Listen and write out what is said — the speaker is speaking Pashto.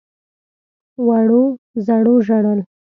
وړو _زړو ژړل.